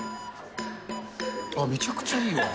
あっ、めちゃくちゃいいわ。